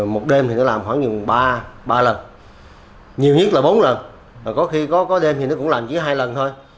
một đêm thì nó làm khoảng chừng ba ba lần nhiều nhất là bốn lần có khi có đêm thì nó cũng làm chỉ hai lần thôi